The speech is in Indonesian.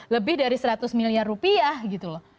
lebih dari seratus miliar rupiah